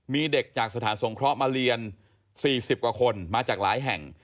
มีเด็กจากสถานสงเคราะห์มาเรียน๔๐กว่าคนมาจากหลายแห่ง